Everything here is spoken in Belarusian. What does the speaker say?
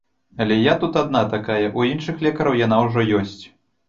Але я тут адна такая, у іншых лекараў яна ўжо ёсць.